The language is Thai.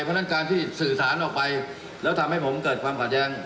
เพราะฉะนั้นการที่สื่อสารออกไปแล้วทำให้ผมเกิดความขาดแย้ง